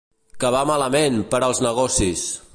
Que va malament, per als negocis!